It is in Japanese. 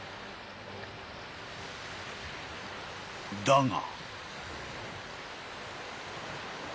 ［だが］